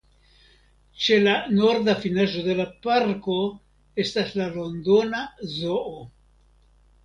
Ĉe la norda finaĵo de la parko estas la Londona Zoo.